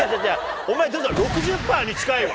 お前、だから、６０パーに近いわ。